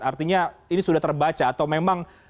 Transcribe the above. artinya ini sudah terbaca atau memang